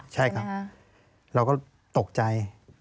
ใช่ครับเราก็ตกใจ